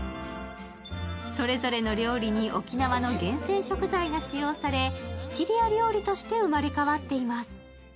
それぞれの料理に沖縄の厳選食材が使用されシチリア料理として生まれ変わっています。